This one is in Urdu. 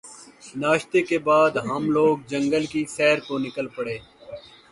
ناشتے کے بعد ہم لوگ جنگل کی سیر کو نکل پڑے